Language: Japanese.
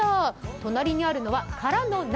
隣にあるのは空の鍋。